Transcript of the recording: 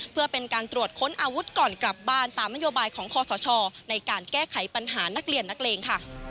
เพื่อเป็นการตรวจค้นอาวุธก่อนกลับบ้านตามนโยบายของคอสชในการแก้ไขปัญหานักเรียนนักเลงค่ะ